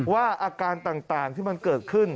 ว่าอาการต่างที่มันเกิดขึ้น